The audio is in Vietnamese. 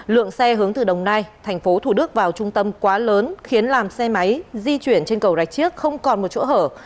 lượng xe hướng từ đồng nai thành phố thủ đức vào trung tâm quá lớn khiến làm xe máy di chuyển trên cầu rạch chiếc không còn một chỗ hở